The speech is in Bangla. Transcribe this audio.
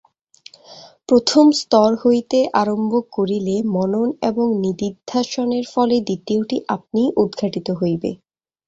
প্রথম স্তর হইতে আরম্ভ করিলে মনন এবং নিদিধ্যাসনের ফলে দ্বিতীয়টি আপনিই উদ্ঘাটিত হইবে।